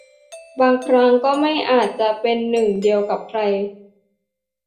บางครั้งก็ไม่อาจจะเป็นหนึ่งเดียวกับใคร